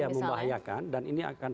membahayakan dan ini akan